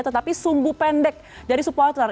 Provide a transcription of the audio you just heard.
tetapi sumbu pendek dari supporter